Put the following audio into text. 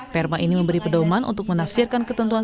perma ini memberi pedoman untuk menafsirkan ketentuan